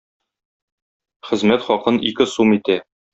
Хезмәт хакын ике сум итә.